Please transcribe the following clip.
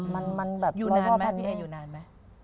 มันแบบรอยพ่อแผ่นแม่อยู่นานไหมพี่เอ๊อยู่นานไหม